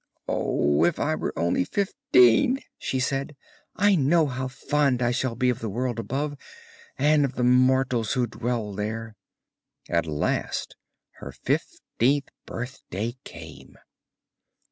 'Oh! if I were only fifteen!' she said, 'I know how fond I shall be of the world above, and of the mortals who dwell there.' At last her fifteenth birthday came.